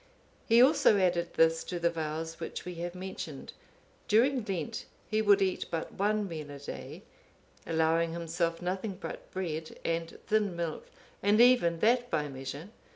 He also added this to the vows which we have mentioned: during Lent, he would eat but one meal a day, allowing himself nothing but bread and thin milk, and even that by measure.